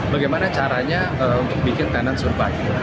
bagaimana caranya untuk bikin tenan suruh baik